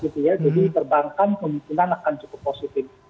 jadi perbankan kemungkinan akan cukup positif